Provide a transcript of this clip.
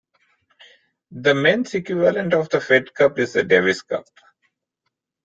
The men's equivalent of the Fed Cup is the Davis Cup.